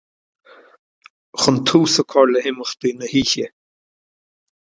chun tús a chur le himeachtaí na hoíche